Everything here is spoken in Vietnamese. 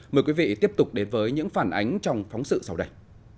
mời quý vị tiếp tục đến với những phản ánh trong phóng sự sau đây